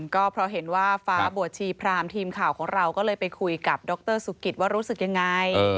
ก็เพราะเห็นว่าฟ้าบวชชีพรามทีมข่าวของเราก็เลยไปคุยกับดรสุกิตว่ารู้สึกยังไง